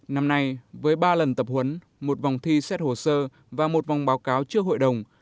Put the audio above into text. năm nay với ba lần tập huấn một vòng thi xét hồ sơ và một vòng báo cáo trước hội đồng